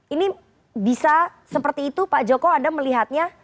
ini bisa seperti itu pak joko anda melihatnya